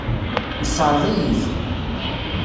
Yessṛeɣ-iyi-t.